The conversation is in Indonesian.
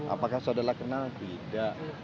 apakah saudara kenal tidak